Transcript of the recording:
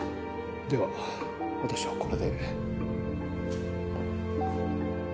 では、私はこれで。